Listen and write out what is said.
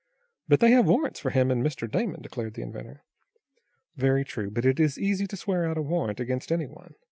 "But they have warrants for him and Mr. Damon," declared the inventor. "Very true, but it is easy to swear out a warrant against any one.